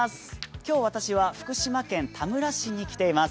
今日、私は福島県田村市に来ています。